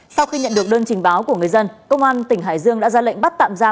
sau khi nhận được đơn trình báo của người dân công an tỉnh hải dương đã ra lệnh bắt tạm giam